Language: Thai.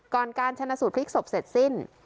การชนะสูตรพลิกศพเสร็จสิ้น